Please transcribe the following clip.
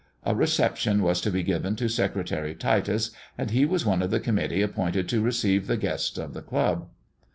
A reception was to be given to Secretary Titus, and he was one of the committee appointed to receive the guest of the club.